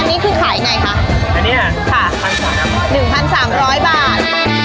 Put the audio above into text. อันนี้คือไข่ไหนคะอันนี้ค่ะค่ะหนึ่งพันสามร้อยบาท